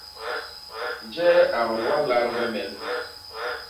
Njee a ñwalal ñwemel?